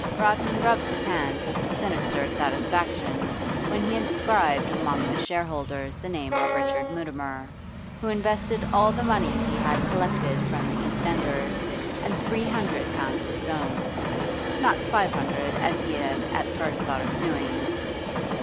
Rodman rubbed his hands with a sinister satisfaction when he inscribed among the shareholders the name of Richard Mutimer, who invested all the money he had collected from the East Enders, and three hundred pounds of his own not five hundred, as he had at first thought of doing.